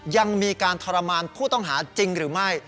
ยังมีการทรมานผู้ต้องหาจริงหรือไม่